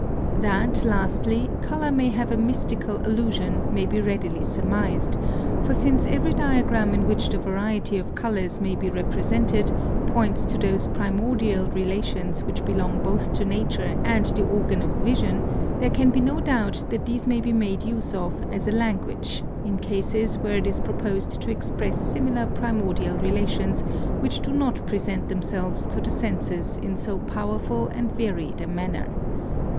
That, lastly, colour may have a mystical allusion, may be readily surmised, for since every diagram in which the variety of colours may be represented points to those primordial relations which belong both to nature and the organ of vision, there can be no doubt that these may be made use of as a language, in cases where it is proposed to express similar primordial relations which do not present themselves to the senses in so powerful and varied a manner.